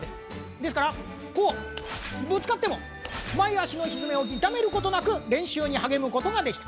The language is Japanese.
ですからこうぶつかっても前足の蹄を傷めることなく練習に励むことができた。